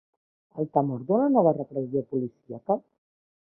El temor d’una nova repressió policíaca?